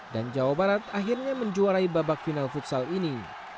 dan jawa barat akhirnya menjuarai babak final futsal ini